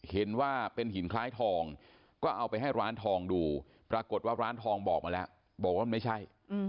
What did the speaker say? เห็นว่าเป็นหินคล้ายทองก็เอาไปให้ร้านทองดูปรากฏว่าร้านทองบอกมาแล้วบอกว่ามันไม่ใช่